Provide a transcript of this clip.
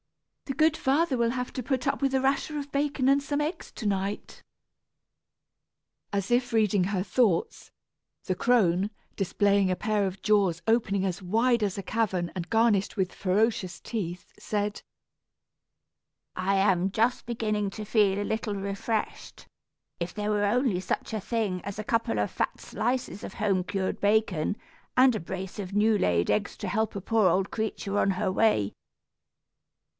"The good father will have to put up with a rasher of bacon and some eggs, to night." As if reading her thoughts, the crone, displaying a pair of jaws opening as wide as a cavern and garnished with ferocious teeth, said: "I am just beginning to feel a little refreshed. If there were only such a thing as a couple of fat slices of home cured bacon, and a brace of new laid eggs to help a poor old creature on her way."